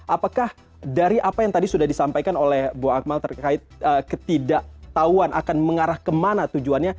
apakah dari apa yang tadi sudah disampaikan oleh bu akmal terkait ketidaktahuan akan mengarah kemana tujuannya